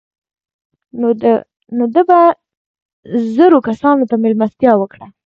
نو ده به زرو کسانو ته مېلمستیا وکړه.